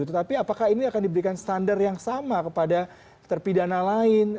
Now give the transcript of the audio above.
tetapi apakah ini akan diberikan standar yang sama kepada terpidana lain